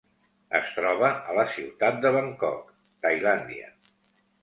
Es troba a la ciutat de Bangkok, Tailàndia.